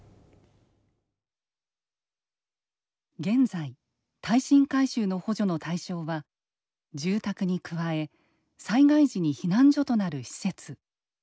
現在耐震改修の補助の対象は住宅に加え災害時に避難所となる施設。